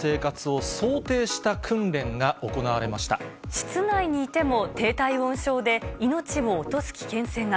室内にいても低体温症で命を落とす危険性が。